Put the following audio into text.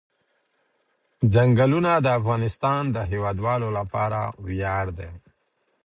ځنګلونه د افغانستان د هیوادوالو لپاره ویاړ دی.